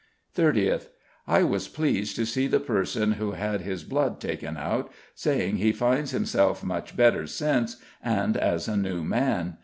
30th: I was pleased to see the person who had his blood taken out ... saying he finds himself much better since, and as a new man.